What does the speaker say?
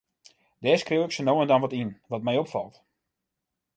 Dêr skriuw ik sa no en dan wat yn, wat my opfalt.